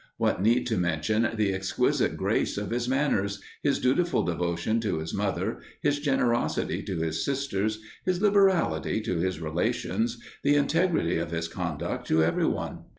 What need to mention the exquisite grace of his manners, his dutiful devotion to his mother, his generosity to his sisters, his liberality to his relations, the integrity of his conduct to every one?